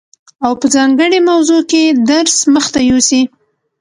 او په ځانګړي موضوع کي درس مخته يوسي،